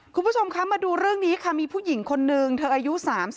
คุณผู้ชมคะมาดูเรื่องนี้ค่ะมีผู้หญิงคนนึงเธออายุ๓๒